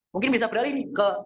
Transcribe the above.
mungkin bisa berlalu ke